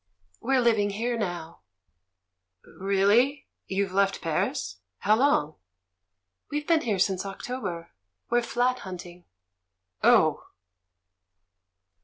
"We're living here now." "Really? You've left Paris? How long?" "We've been here since October; we're flat hunting." "Oh!"